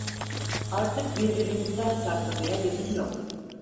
Artık birbirimizden saklamaya lüzum yok...